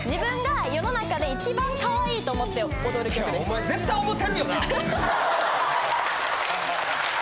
お前絶対思てるよな。